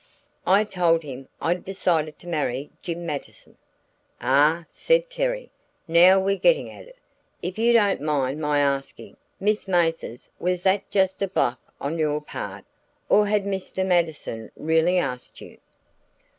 "I told him I'd decided to marry Jim Mattison." "Ah " said Terry. "Now we're getting at it! If you don't mind my asking, Miss Mathers, was that just a bluff on your part, or had Mr. Mattison really asked you?"